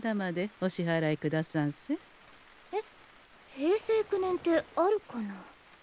平成９年ってあるかな？